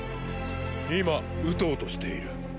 今打とうとしている。